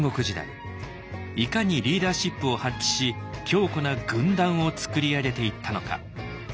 いかにリーダーシップを発揮し強固な軍団をつくり上げていったのか。